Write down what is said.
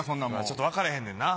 ちょっと分からへんねんな。